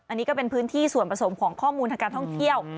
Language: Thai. อันนี้ก็เป็นพื้นที่ส่วนผสมของข้อมูลทางการท่องเที่ยว